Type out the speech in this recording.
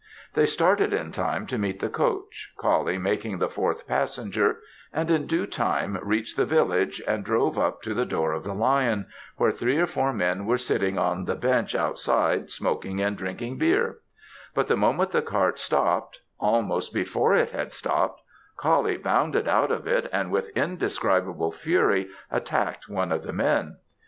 They started in time to meet the coach, Coullie making the fourth passenger; and in due time reached the village and drove up to the door of the Lion, where three or four men were sitting on the bench outside smoking and drinking beer; but the moment the cart stopped almost before it had stopped Coullie bounded out of it and with indescribable fury attacked one of the men.